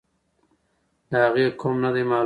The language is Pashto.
د هغې قوم نه دی معلوم.